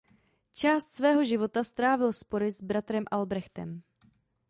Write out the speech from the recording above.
Část svého života strávil spory s bratrem Albrechtem.